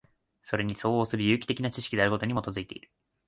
それに相応する有機的な知識であることに基いている。